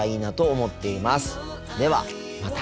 ではまた。